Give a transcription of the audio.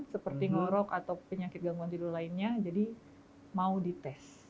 seperti ngorok atau penyakit gangguan tidur lainnya jadi mau dites